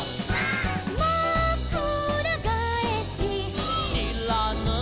「まくらがえし」「」「しらぬい」「」